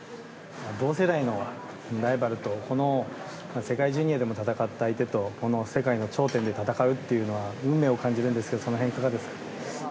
同世代のライバルと世界ジュニアでも戦った相手とこの世界の頂点で戦うというのは運命を感じるんですがその辺、いかがですか？